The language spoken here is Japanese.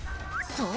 そう！